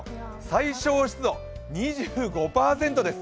最小湿度２５％です。